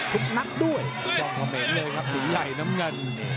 ทุกนักด้วยจองกระเหม็นเลยครับหนูไหลน้ำเงิน